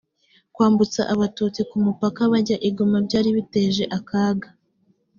kwambutsa abatutsi ku mupaka bajya i goma byari biteje akaga